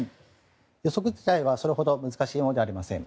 予測自体は、それほど難しいものではありません。